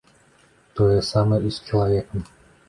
Тое самае і з чалавекам.